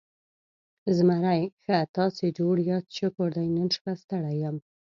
زمری: ښه، تاسې جوړ یاست؟ شکر دی، نن شپه ستړی یم.